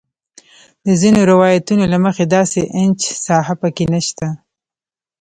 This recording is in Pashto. د ځینو روایتونو له مخې داسې انچ ساحه په کې نه شته.